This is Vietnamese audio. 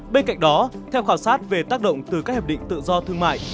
bên cạnh đó theo khảo sát về tác động từ các hiệp định tự do thương mại